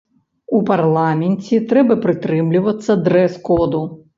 У парламенце трэба прытрымлівацца дрэс-коду.